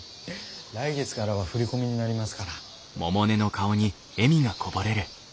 来月がらは振り込みになりますから。